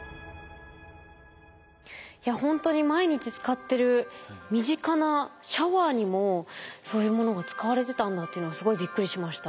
いやほんとに毎日使ってる身近なシャワーにもそういうものが使われてたんだっていうのはすごいびっくりしました。